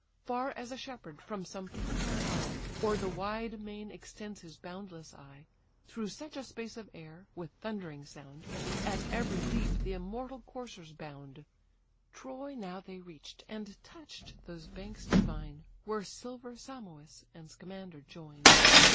Far as a shepherd, from some point on high, O'er the wide main extends his boundless eye, Through such a space of air, with thundering sound, At every leap the immortal coursers bound Troy now they reach'd and touch'd those banks divine, Where silver Simois and Scamander join.